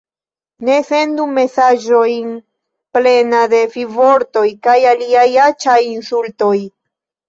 Ne sendu mesaĝojn plena de fivortoj kaj aliaj aĉaj insultoj